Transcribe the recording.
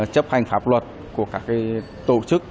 chấp hành pháp luật của các tổ chức